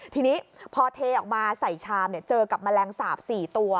ทีนี้พอเทออกมาใส่ชามเจอกับแมลงสาป๔ตัว